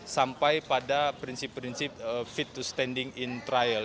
sampai pada prinsip prinsip fit to standing in trial